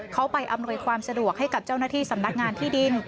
เขาไปอำนวยความสะดวกให้กับเจ้าหน้าที่สำนักงานที่ดิน